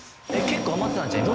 結構余ってたんちゃう？